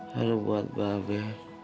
haru buat mbak be